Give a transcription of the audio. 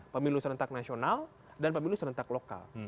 pemilu serentak nasional dan pemilu serentak lokal